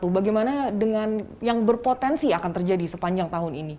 bagaimana dengan yang berpotensi akan terjadi sepanjang tahun ini